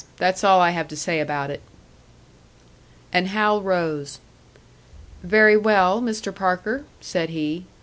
That's all I have to say about it." And Hal rose. "Very well, Mr. Parker," said he.